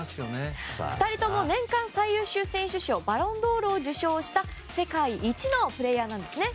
２人とも年間最優秀選手賞バロンドールを受賞した世界一のプレーヤーなんですね。